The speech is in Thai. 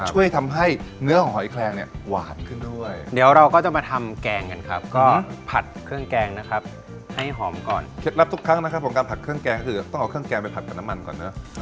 รับทุกครั้งนะครับผมการผัดเครื่องแกงก็คือต้องเอาเครื่องแกงไปผัดกับน้ำมันก่อนเนอะ